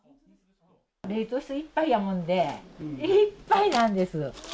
冷凍室いっぱいなもんで、いっぱいなんです。